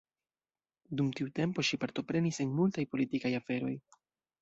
Dum tiu tempo ŝi partoprenis en multaj politikaj aferoj.